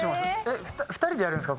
２人でやるんですか？